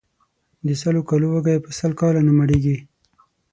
د سلو کالو وږى ، په سل کاله نه مړېږي.